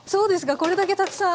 これだけたくさん。